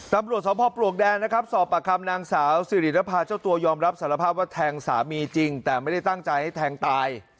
ตำรวจสมภาพปลวกแดงนะครับสอบประคำนางสาวสิริรภาเจ้าตัวยอมรับสารภาพว่าแทงสามีจริงแต่ไม่ได้ตั้งใจให้แทงตาย